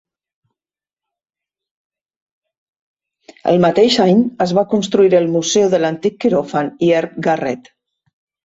El mateix any es va construir el Museu de l'Antic Quiròfan i Herb Garret.